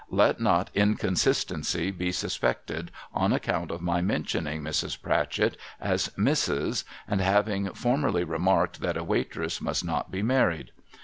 Let not inconsistency be suspected on account of my mentioning Mrs. Pratchett as ' Mrs.,' and having formerly remarked that a waitress must not be married.